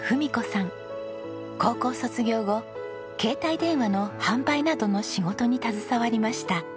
高校卒業後携帯電話の販売などの仕事に携わりました。